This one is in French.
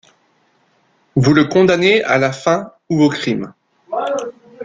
Vous le condamnez à la faim ou au crime.